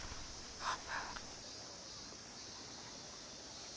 あっ？